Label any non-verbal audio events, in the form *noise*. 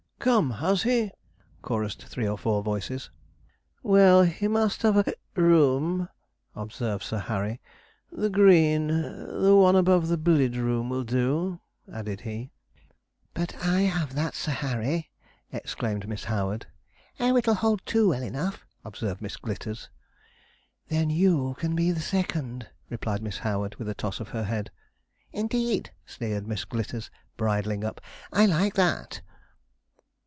'Come, has he!' chorused three or four voices. 'Well, he must have a *hiccups* room,' observed Sir Harry. 'The green the one above the billiard room will do,' added he. 'But I have that, Sir Harry,' exclaimed Miss Howard. 'Oh, it'll hold two well enough,' observed Miss Glitters. 'Then you can be the second,' replied Miss Howard, with a toss of her head. 'Indeed!' sneered Miss Glitters, bridling up. 'I like that.'